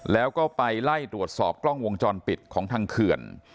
แล้วก็ไปไล่ตรวจสอบกล้องวงจรปิดของทางเขื่อน